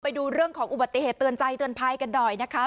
ไปดูเรื่องของอุบัติเหตุเตือนใจเตือนภัยกันหน่อยนะคะ